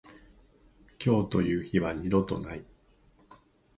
今日という日は二度とない。